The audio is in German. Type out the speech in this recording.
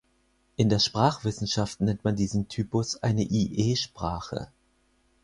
In der Sprachwissenschaft nennt man diesen Typus eine I-E-Sprache.